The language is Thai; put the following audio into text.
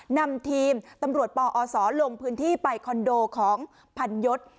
นำทีมตำรวจปอศลงพื้นที่ไปคอนโดของพันยศ